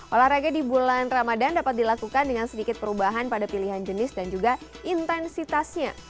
olahraga di bulan ramadan dapat dilakukan dengan sedikit perubahan pada pilihan jenis dan juga intensitasnya